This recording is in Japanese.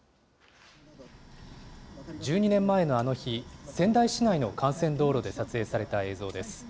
１２年前のあの日、仙台市内の幹線道路で撮影された映像です。